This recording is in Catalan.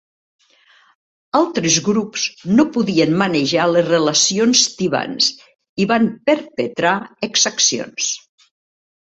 Altres grups no podien manejar les relacions tibants i van perpetrar exaccions.